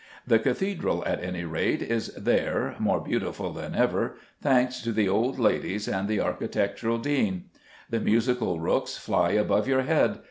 The cathedral, at any rate, is there, more beautiful than ever, thanks to the old ladies and the architectural dean. The musical rooks fly above your head.